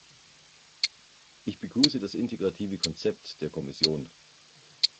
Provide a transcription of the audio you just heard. Ich begrüße das integrative Konzept der Kommission.